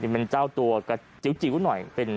เป็นเจ้าตัวกระจิ้วหน่อย